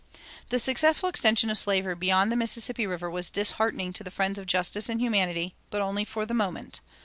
The successful extension of slavery beyond the Mississippi River was disheartening to the friends of justice and humanity, but only for the moment.